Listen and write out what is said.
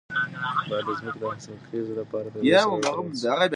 باید د ځمکې د حاصلخیزۍ لپاره طبیعي سره وکارول شي.